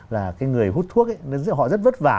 là cái người hút thuốc họ rất vất vả